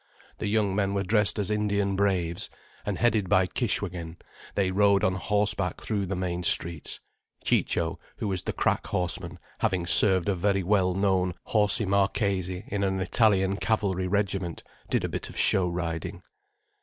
The young men were dressed as Indian braves, and headed by Kishwégin they rode on horseback through the main streets. Ciccio, who was the crack horseman, having served a very well known horsey Marchese in an Italian cavalry regiment, did a bit of show riding.